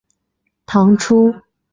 唐初从长清县中分出山荏县。